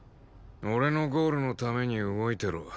俺のゴールのために動いてろ。